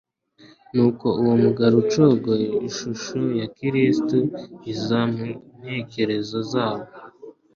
Nuko uwo mugaru ucogoye ishusho ya Kristo iza mu ntekerezo zabo.